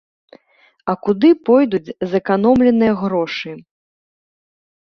А куды пойдуць зэканомленыя грошы?